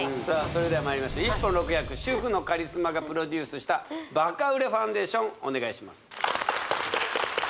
それではまいりましょう１本６役主婦のカリスマがプロデュースしたバカ売れファンデーションお願いします